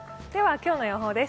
今日の予報です。